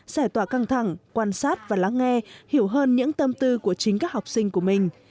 giải tỏa căng thẳng quan sát và lắng nghe hiểu hơn những tâm tư của chính các học sinh